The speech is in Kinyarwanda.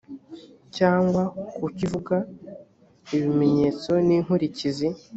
cyangwa kucyo ivuga ibimenyetso n inkurikizi